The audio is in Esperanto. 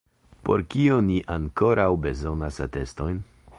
Por kio ni ankoraŭ bezonas atestojn?